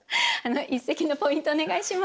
一席のポイントお願いします。